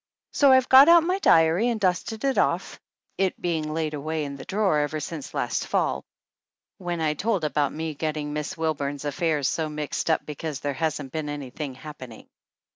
So I have got out my diary and dusted it off, it being laid away in the drawer ever since last fall, when I told about me getting Miss Wil burn's affairs so mixed up because there hasn't been anything happening.